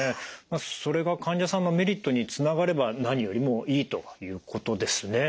それが患者さんのメリットにつながれば何よりもいいということですね。